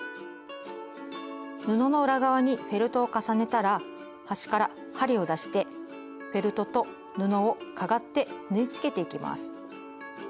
布の裏側にフェルトを重ねたら端から針を出してフェルトと布をかがって縫いつけていきます。